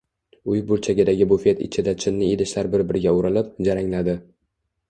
Uy burchagidagi bufet ichida chinni idishlar bir-biriga urilib, jarangladi.